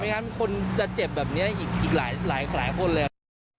งั้นคนจะเจ็บแบบนี้อีกหลายคนเลยครับ